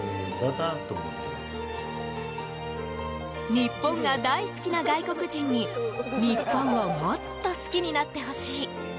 日本が大好きな外国人に日本をもっと好きになってほしい。